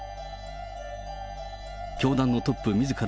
教団のトップみずから